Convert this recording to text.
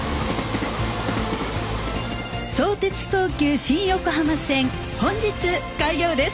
相鉄・東急新横浜線本日開業です。